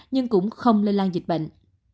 nhưng cũng không lây lan dịch bệnh